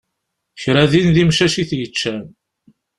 Kra din d imcac i t-yeččan.